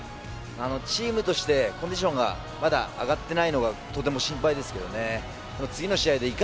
チームとしてコンディションがまだ上がっていないのがとても心配ですよね。